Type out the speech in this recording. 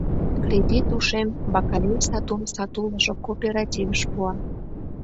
Кредит ушем бакалей сатум сатулышо кооперативыш пуа...